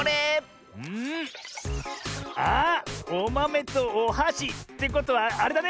おまめとおはし。ってことはあれだね。